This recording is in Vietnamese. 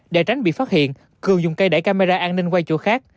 để tránh bị phát hiện cường dùng cây đẩy camera an ninh qua chỗ khác